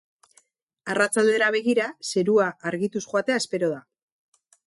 Arratsaldera begira, zerua argituz joatea espero da.